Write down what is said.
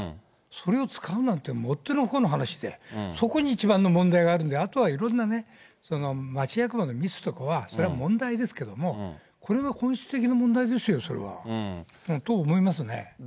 それを使うなんてもってのほかの話で、そこに一番の問題があるんで、あとはいろんなね、町役場のミスとかは、それは問題ですけども、これが本質的な問題ですよ、これは、と思いますね。